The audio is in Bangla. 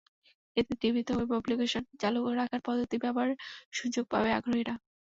এতে টিভিতে ওয়েব অ্যাপ্লিকেশন চালু রাখার পদ্ধতি ব্যবহারের সুযোগ পাবেন আগ্রহীরা।